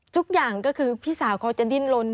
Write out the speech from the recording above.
ทุกอย่างก็คือพี่สาวเขาจะดิ้นลน